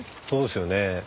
そうですよね。